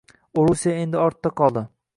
O‘rusiya endi ortda qoldi.